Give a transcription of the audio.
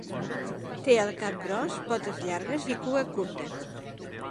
Té el cap gros, potes llargues i cua curta.